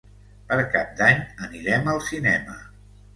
Per Cap d'Any anirem al cinema.